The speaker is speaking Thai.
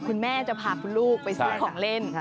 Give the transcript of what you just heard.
คุณแม่จะพาคุณลูกไปซื้อของเล่น